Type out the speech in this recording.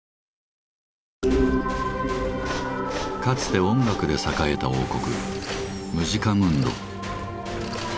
かつて音楽で栄えた王国「ムジカムンド」。